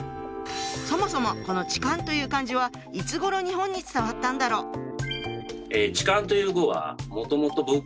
そもそもこの「痴漢」という漢字はいつごろ日本に伝わったんだろう。